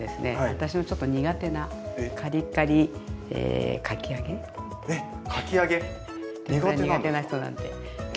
私のちょっと苦手なカリカリえっかき揚げ苦手なんですか？